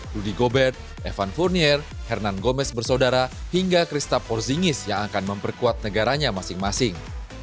rudy gobert evan fournier hernan gomez bersaudara hingga krista porzingis yang akan memperkuat negaranya masing masing